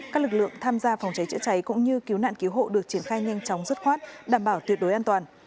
các lực lượng tham gia phòng trái chữa trái cũng như cứu nạn cứu hộ được triển khai nhanh chóng rút khoát đảm bảo tuyệt đối an toàn